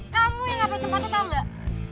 kamu yang gak pada tempatnya tau gak